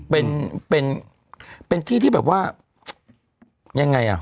เป็นเป็นที่ที่แบบว่ายังไงอ่ะ